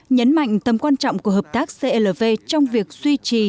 nhấn mạnh tầm quan trọng của hợp tác clv trong việc duy trì